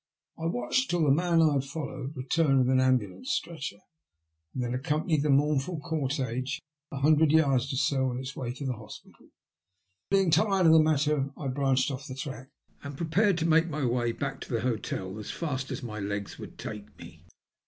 I watched until the man I had followed returned with an ambulance stretcher, and then accompanied the mournful cortege o, hundred yards or so on its way to the hospital. Then, being tired of the matter, I branched off the track, and prepared to make my way back to my hotel as fast as my legs would take me.